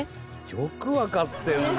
よくわかってるな！